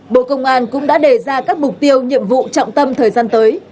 bộ công an cũng đã đề ra các mục tiêu nhiệm vụ trọng tâm thời gian tới